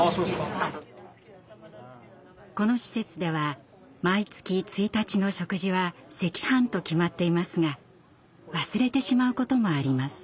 この施設では毎月１日の食事は赤飯と決まっていますが忘れてしまうこともあります。